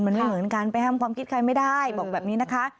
มันไม่เหมือนกันไปห้ามความคิดใครไม่ได้บอกแบบนี้นะคะ